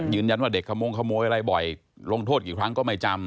ยืนยันว่าเด็กขโมงขโมยอะไรบ่อยลงโทษกี่ครั้งก็ไม่จำ